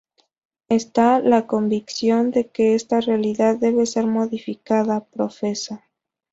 Está la convicción de que esta realidad debe ser modificada", profesa.